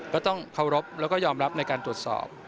ก็ต้องเคารพแล้วก็ยอมรับในการตรวจสอบ